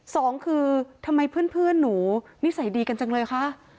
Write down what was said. สองคือทำไมเพื่อนหนูนิสัยดีกันจังเลยคะ